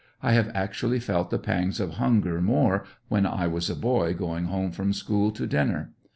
I have actually felt the pangs of hunger more when I was a boy going home from school to dinner.